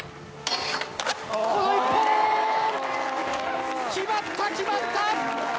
この一本。決まった、決まった！